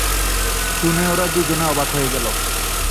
শুনে ওরা দুজনে অবাক হয়ে গেল।